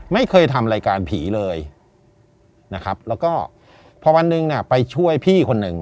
ไม่เคยทำรายการผีเลยนะครับแล้วก็พอวันหนึ่งเนี่ยไปช่วยพี่คนหนึ่ง